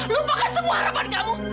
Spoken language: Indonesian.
lupakan semua harapan kamu